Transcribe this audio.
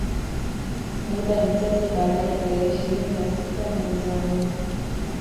Muda mchache baadae tarehe ishirini na sita mezi wa nne